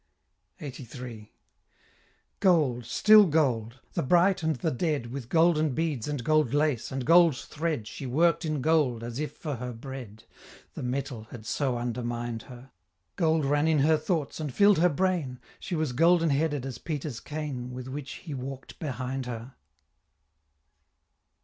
LXXXIII. Gold! still gold! the bright and the dead, With golden beads, and gold lace, and gold thread She work'd in gold, as if for her bread; The metal had so undermined her, Gold ran in her thoughts and fill'd her brain, She was golden headed as Peter's cane With which he walked behind her.